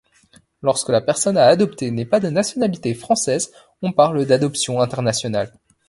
Lorsque la personne à adopter n'est pas de nationalité française, on parle d'adoption internationale.